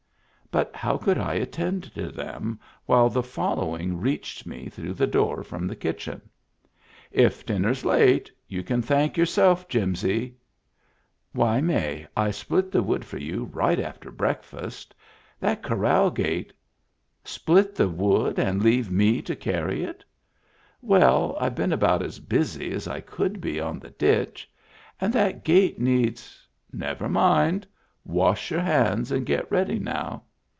But how could I attend to them while the following reached me through the door from the kitchen? " If dinner's late you can thank yourself, Jimsy." " Why, May, I split the wood for you right after breakfast That corral gate —"" Split the wood and leave me to carry it !" "Well, I've been about as busy as I could be on the ditch ; and that gate needs —" "Never mind. Wash your hands and get ready now.